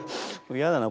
嫌だな